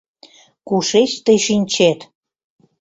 — Кушеч тый шинчет?